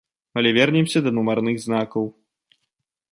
Але вернемся да нумарных знакаў.